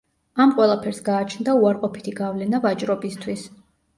ამ ყველაფერს გააჩნდა უარყოფითი გავლენა ვაჭრობისთვის.